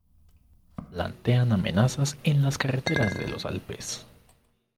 Plantean amenazas en las carreteras de los Alpes.